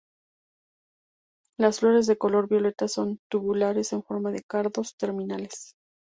Las flores de color violeta son tubulares en forma de cardos terminales.